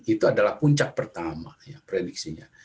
itu adalah puncak pertama ya prediksinya